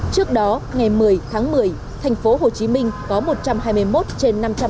trước đó ngày một mươi tháng một mươi thành phố hồ chí minh có một trăm hai mươi một trên năm